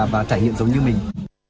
và trải nghiệm giống như mình